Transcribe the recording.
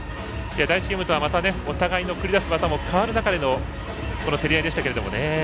第１ゲームとは、またお互いの繰り出す技も変わる中でのこの競り合いでしたけども。